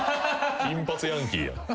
金髪ヤンキーやん。